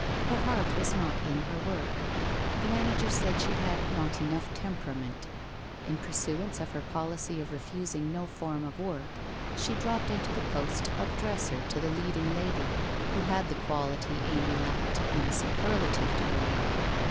Her heart was not in her work. The man ager said she had not enough temperament. In pursuance of her policy of refusing no form of work, she dropped into the post of dresser to the leading lady, who had the quality Amy lacked in a superlative degree.